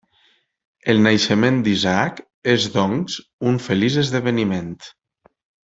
El naixement d'Isaac és doncs un feliç esdeveniment.